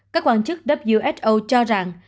các quan chức who cho rằng